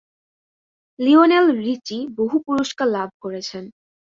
Lionel Richie বহু পুরস্কার লাভ করেছেন।